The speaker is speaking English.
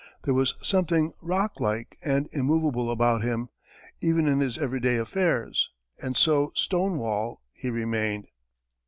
There was something rock like and immovable about him, even in his everyday affairs, and so "Stonewall" he remained.